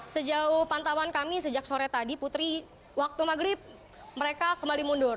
sejauh pantauan kami sejak sore tadi putri waktu maghrib mereka kembali mundur